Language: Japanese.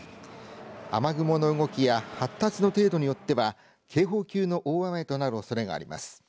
雨雲の動きや発達の程度によっては警報級の大雨となるおそれがあります。